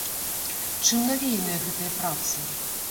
Чым навеяныя гэтыя працы?